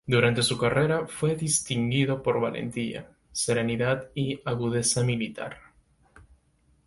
Durante su carrera fue distinguido por valentía, serenidad y agudeza militar.